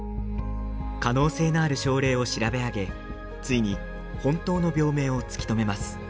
可能性のある症例を調べ上げついに本当の病名を突き止めます。